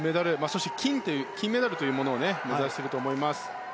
そして金メダルというものを目指していると思います。